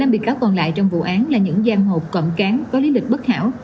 một mươi năm bị cáo còn lại trong vụ án là những giang hồ cộm cán có lý lịch bất hảo